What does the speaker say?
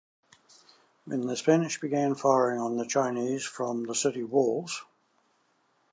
The Spanish began firing on the Chinese from the city walls.